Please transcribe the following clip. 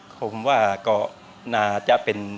ผมว่าก็น่าจะเป็น